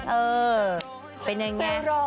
เออเป็นยังไง